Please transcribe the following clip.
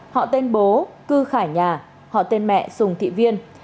họ tên bố cư khải nhà họ tên mẹ sùng thị viên